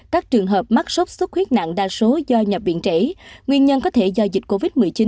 các trường hợp mắc sốt xuất huyết nặng đa số do nhập viện trẻ nguyên nhân có thể do dịch covid một mươi chín